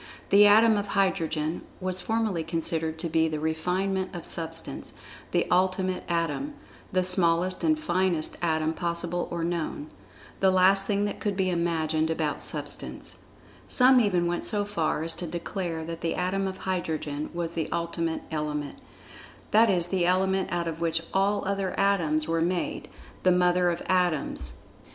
The atom of Hydrogen was formerly considered to be the refinement of Substance—the Ultimate Atom—the smallest and finest Atom possible or known—the last thing that could be imagined about Substance. Some even went so far as to declare that the Atom of Hydrogen was the Ultimate Element, that is the Element out of which all other atoms were made—the[Pg 71] mother of Atoms—the Origin of Substance.